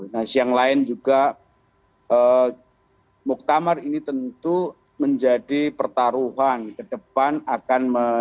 nah siang lain juga muktamar ini tentu menjadi pertaruhan ke depan akan